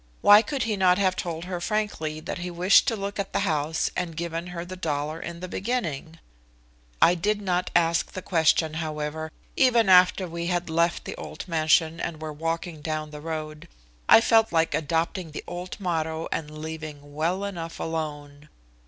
Why could he not have told her frankly that he wished to look at the house and given her the dollar in the beginning? I did not ask the question, however, even after we had left the old mansion and were walking down the road. I felt like adopting the old motto and leaving well enough alone.